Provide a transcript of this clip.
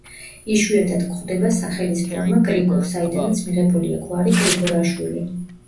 იშვიათად გვხვდება სახელის ფორმა გრიგორ, საიდანაც მიღებულია გვარი გრიგორაშვილი.